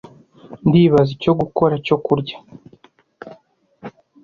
Ndibaza icyo gukora cyo kurya.